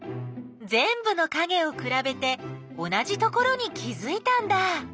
ぜんぶのかげをくらべて同じところに気づいたんだ。